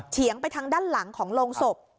เฉียงไปทางด้านหลังของโรงศพ